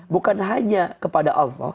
bukan hanya kepada allah